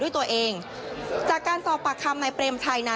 โดยในวันนี้นะคะพนักงานสอบสวนนั้นก็ได้ปล่อยตัวนายเปรมชัยกลับไปค่ะ